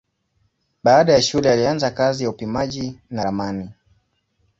Baada ya shule alianza kazi ya upimaji na ramani.